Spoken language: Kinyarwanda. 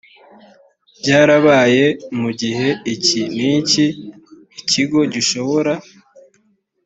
byarabaye mu gihe iki n iki ikigo gishobora